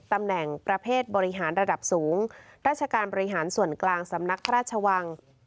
ตำแหน่งประเภทบริหารระดับสูงราชการบริหารส่วนกลางสำนักพระราชวัง